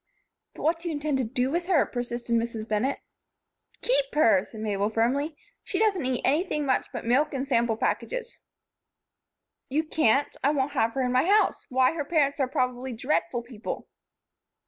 "But what do you intend to do with her?" persisted Mrs. Bennett. "Keep her," said Mabel, firmly. "She doesn't eat anything much but milk and sample packages." "You can't. I won't have her in my house. Why! Her parents are probably dreadful people."